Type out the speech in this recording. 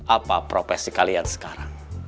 apa profesi kalian sekarang